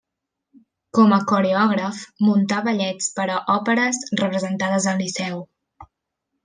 Com a coreògraf, muntà ballets per a òperes representades al Liceu.